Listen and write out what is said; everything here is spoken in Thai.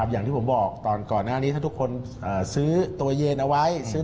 อย่างที่ผมบอกตอนก่อนหน้านี้ถ้าทุกคนซื้อตัวเย็นเอาไว้